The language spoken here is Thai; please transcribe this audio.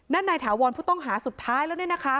นายถาวรผู้ต้องหาสุดท้ายแล้วเนี่ยนะคะ